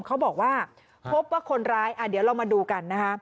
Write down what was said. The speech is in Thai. เขาบอกว่าพบว่าคนร้ายเดี๋ยวเรามาดูกันนะคะ